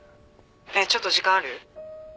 「ねえちょっと時間ある？」